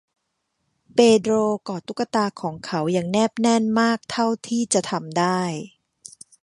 เปโดรกอดตุ๊กตาของเขาอย่างแนบแน่นมากเท่าที่จะทำได้